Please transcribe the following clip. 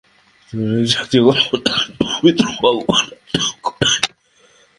কিন্ত আর এক জাতীয় কল্পনা আছে তুমি পবিত্র, ভগবান আছেন, দুঃখ নাই।